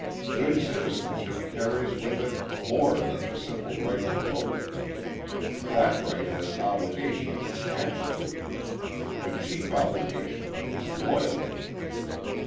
Good citizenship carries with it more than the simple right to vote. That right has obligations attached to it. The chief obligation is loyalty.